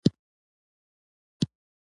هغه غوښتل چې خپل سیالان دېوالونو ته تمبه کړي